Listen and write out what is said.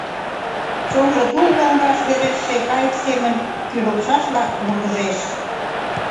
Чонжо тул лоҥгаш верештше кайык семын кӱрылтшашла вургыжеш.